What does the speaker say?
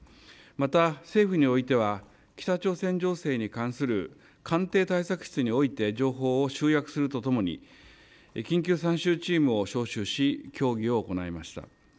また、政府においては北朝鮮情勢に関する官邸対策室において情報を集約するとともに、緊急参集チームを招集し、協議を行いました。